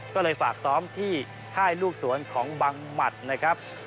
ก็เลยฝากซ้อมที่ค่ายลูกสวนของบังหมัดนะครับ